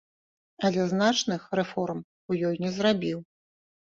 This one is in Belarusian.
Але значных рэформ у ёй не зрабіў.